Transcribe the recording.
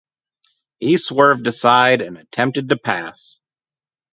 He swerved aside, and attempted to pass.